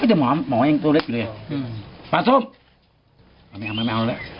ไม่ใช่หมอเองตัวเล็กอยู่เลยปลาส้มไม่เอาแล้ว